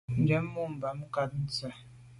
Njen mo’ bàm nkàb ntshu ntse.